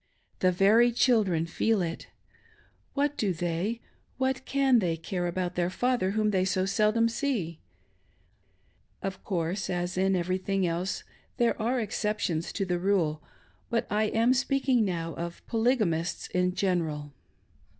The very children feel it. What do they, what can they, care about their father, whom they so seldom see ? Of course, as in everything else, there are exceptions to the rule ; but I am speaking now of Polygamists in general.